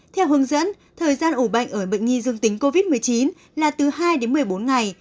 theo hướng dẫn thời gian ủ bệnh ở bệnh nhi dương tính covid một mươi chín là từ hai đến một mươi bốn ngày